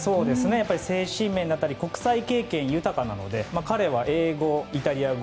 やっぱり精神面だったり国際経験豊かなので彼は英語、イタリア語